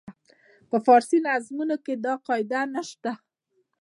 په فارسي نظمونو کې دا قاعده نه شته.